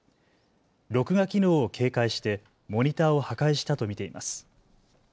録画機能を警戒してモニターを破壊したと見ています。